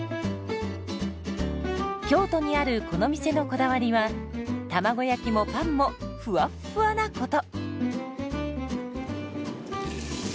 京都にあるこの店のこだわりは卵焼きもパンもふわっふわなこと。